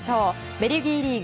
ベルギーリーグ